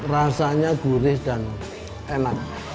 rasanya gurih dan enak